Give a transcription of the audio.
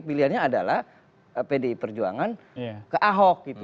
pilihannya adalah pd perjuangan ke ahok